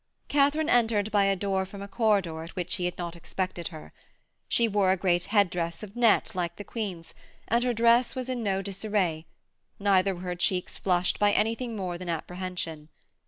Katharine entered by a door from a corridor at which he had not expected her. She wore a great head dress of net like the Queen's and her dress was in no disarray, neither were her cheeks flushed by anything more than apprehension.